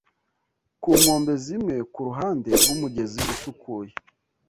ku nkombe zimwe kuruhande rw'umugezi usukuye